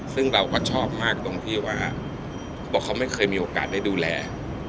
ซึ่งเราก็ชอบมากตรงที่ว่าบอกเขาไม่เคยมีโอกาสได้ดูแล